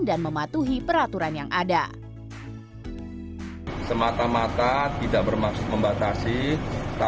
dan mematuhi peraturan yang ada